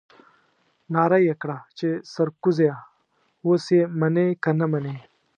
نعره يې کړه چې سرکوزيه اوس يې منې که نه منې.